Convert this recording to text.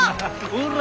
ほら！